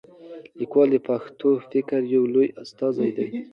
لیکوال د پښتو فکر یو لوی استازی دی.